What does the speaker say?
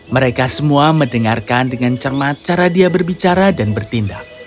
mereka semua mendengarkan dengan cermat cara dia berbicara dan bertindak